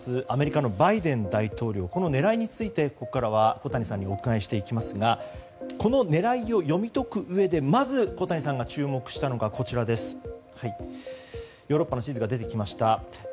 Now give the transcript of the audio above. アメリカのバイデン大統領この狙いについて、ここからは小谷さんにお伺いしていきますがこの狙いを読み解くうえでまず、小谷さんが注目したのが、ヨーロッパの地図が出てきました。